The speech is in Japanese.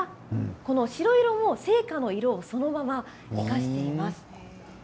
この白色も生花の色をそのまま生かしています。